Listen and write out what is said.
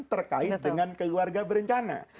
terkait dengan keluarga berencana